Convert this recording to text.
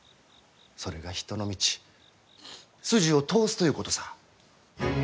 それが人の道筋を通すということさぁ。